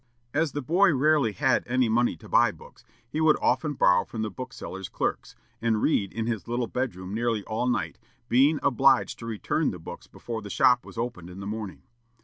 As the boy rarely had any money to buy books, he would often borrow from the booksellers' clerks, and read in his little bedroom nearly all night, being obliged to return the books before the shop was opened in the morning.